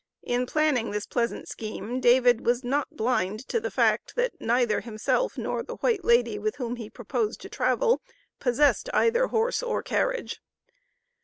In planning this pleasant scheme, David was not blind to the fact that neither himself nor the "white lady," with whom he proposed to travel, possessed either horse or carriage.